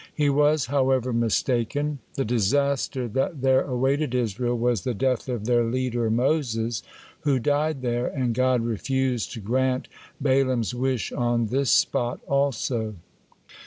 He was, however, mistaken; the disaster that there awaited Israel was the death of their leader Moses, who died there, and God refused to grant Balaam's wish on this spot also.